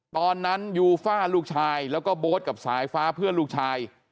ตอนนั้นยูฟ่าลูกชายแล้วก็โบ๊ทกับสายฟ้าเพื่อนลูกชาย